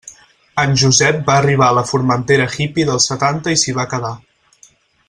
En Josep va arribar a la Formentera hippy dels setanta i s'hi va quedar.